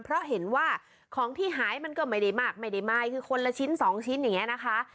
เพราะเห็นว่าของที่หายมันก็ไม่ได้มากไม่ได้มายคือคนละชิ้นสองชิ้นอย่างนี้นะคะ